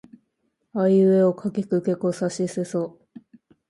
あいうえおかきくけこさしせそ